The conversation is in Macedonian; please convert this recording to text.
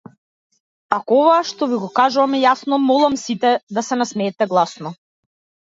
Ако ова што ви го кажувам е јасно молам сите да се насмеете гласно.